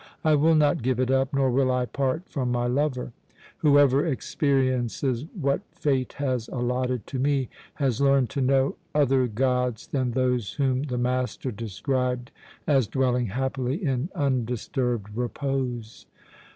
I will not give it up, nor will I part from my lover. Whoever experiences what fate has allotted to me has learned to know other gods than those whom the master described as dwelling happily in undisturbed repose.